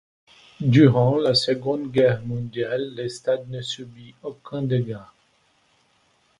Durant la Seconde Guerre Mondiale, le stade ne subit aucun dégât.